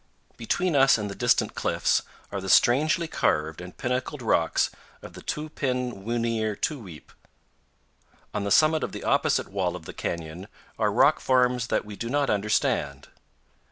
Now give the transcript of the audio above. Between us and the distant cliffs are the strangely carved and pinnacled rocks of the Toom'pin wunear' Tuweap'. On the summit of the opposite wall of the canyon are rock forms that we do not understand.